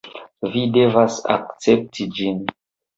Vi devas akcepti ĝin.